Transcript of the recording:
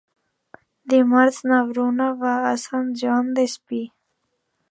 Dimarts na Bruna va a Sant Joan Despí.